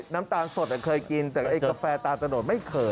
น้ำตาลสดเคยกินแต่ไอ้กาแฟตานตะโนดไม่เคย